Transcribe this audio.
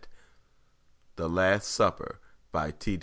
_ The Last Supper By T.